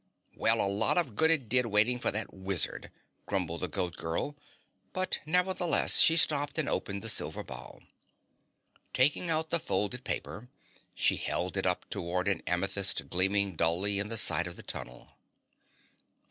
"Well, a lot of good it did waiting for that wizard," grumbled the Goat Girl; but nevertheless, she stopped and opened the silver ball. Taking out the folded paper, she held it up toward an amethyst gleaming dully in the side of the tunnel.